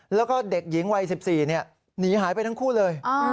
แล้วก็เด็กหญิงวัย๑๔หนีหายไปทั้งคู่เลย